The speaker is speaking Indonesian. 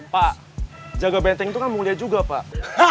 pak jaga benteng itu kan mulia juga pak